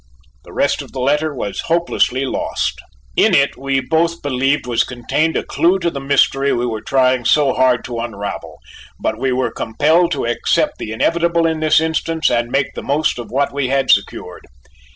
The rest of the letter was hopelessly lost. In it we both believed was contained a clue to the mystery we were trying so hard to unravel, but we were compelled to accept the inevitable in this instance and make the most of what we had secured.